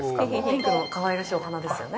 ピンクの、かわいらしいお花ですよね？